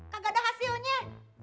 gak ada hasilnya